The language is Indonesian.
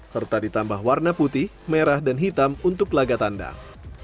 serta ditambah warna putih merah dan hitam untuk laga tandang